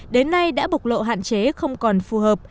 đến nay đã bộc lộ hạn chế không còn phù hợp